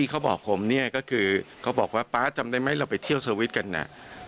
ก็บอกว่าป๊าจำได้ไหมเราไปเที่ยวสวิสกันอะ